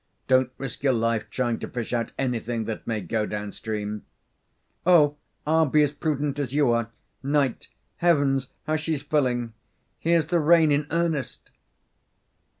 Don't risk your life trying to fish out anything that may go downstream." "Oh, I'll be as prudent as you are! 'Night. Heavens, how she's filling! Here's the rain in earnest."